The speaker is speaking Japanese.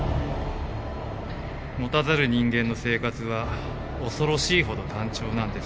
持たざる人間の生活は恐ろしいほど単調なんです。